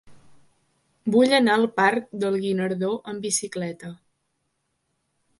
Vull anar al parc del Guinardó amb bicicleta.